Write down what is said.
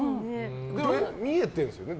見えてるんですよね。